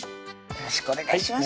よろしくお願いします